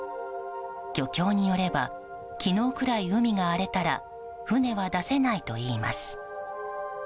漁協によれば昨日くらい海が荒れたら船は出せないといいます。